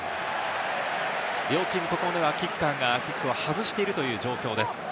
両チーム、ここまではキッカーがキックを外しているという状況です。